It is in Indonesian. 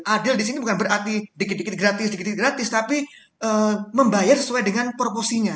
adil di sini bukan berarti dikit dikit gratis dikit gratis tapi membayar sesuai dengan promosinya